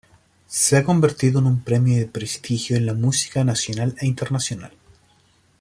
Se ha convertido en un premio de prestigio en la música nacional e internacional.